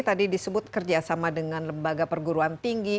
tadi disebut kerjasama dengan lembaga perguruan tinggi